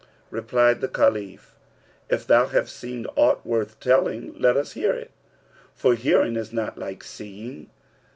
Replied the Caliph, "If thou have seen aught worth telling, let us hear it; for hearing is not like seeing."